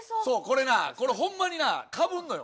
これなこれホンマになかぶるのよ